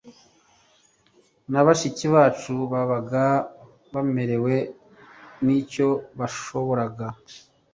na bashiki bacu babaga bamerewe n icyo bashoboraga